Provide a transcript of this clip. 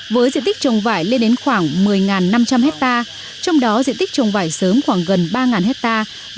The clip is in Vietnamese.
với diện tích trồng vải lên đến khoảng một mươi năm trăm linh hectare trong đó diện tích trồng vải sớm khoảng gần ba hectare